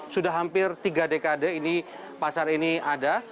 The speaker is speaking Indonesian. sudah hampir tiga dekade ini pasar ini ada